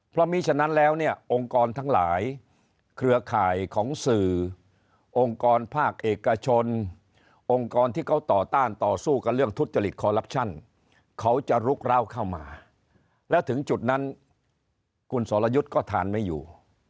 เพราะมีฉะนั้นแล้วเนี่ยองค์กรทั้งหลายเครือข่ายของสื่อองค์กรภาคเอกชนองค์กรที่เขาต่อต้านต่อสู้กับเรื่องทุจริตคอลลับชั่นเขาจะลุกร้าวเข้ามาแล้วถึงจุดนั้นคุณสรยุทธ์ก็ทานไม่อยู่